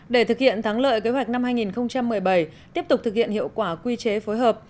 để thực hiện thắng lợi kế hoạch năm hai nghìn một mươi bảy tiếp tục thực hiện hiệu quả quy chế phối hợp